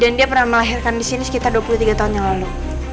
dan dia pernah melahirkan disini sekitar dua puluh tiga tahun yang lalu